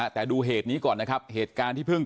แต่ดูเหตุนี้ก่อนนะครับเหตุการณ์ที่เพิ่ง